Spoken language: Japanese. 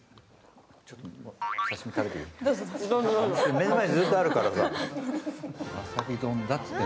目の前にずっとあるからさ。